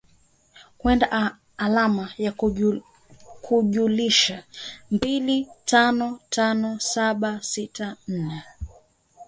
kwenda alama ya kujumlisha mbili tano tano saba sita nne